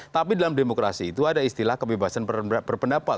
tapi dalam demokrasi itu ada istilah kebebasan berpendapat